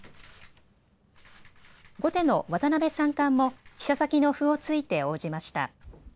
後手の渡辺三冠も飛車先の歩を突いて応じました。